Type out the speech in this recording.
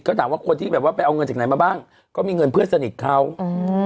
ก็ถามว่าคนที่แบบว่าไปเอาเงินจากไหนมาบ้างก็มีเงินเพื่อนสนิทเขาอืม